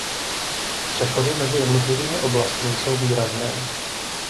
Přechody mezi jednotlivými oblastmi jsou výrazné.